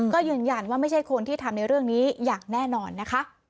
ก็ยืนยันว่าไม่ใช่คนที่ทำในเรื่องนี้อย่างแน่นอนนะคะ